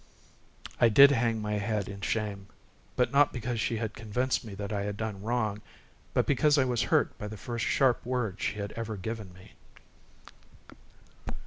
I did hang my head in shame, not because she had convinced me that I had done wrong, but because I was hurt by the first sharp word she had ever given me.